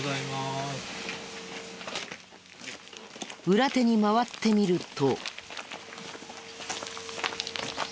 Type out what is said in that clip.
裏手に回ってみると。